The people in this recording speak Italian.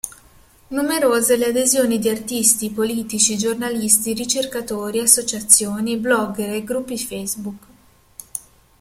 Numerose le adesioni di artisti, politici, giornalisti, ricercatori, associazioni, blogger e gruppi Facebook.